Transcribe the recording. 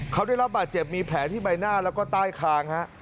เขาได้รับบาดเจ็บมีแผลที่ใบหน้าแล้วก็ใต้คางฮะ